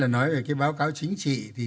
nói về báo cáo chính trị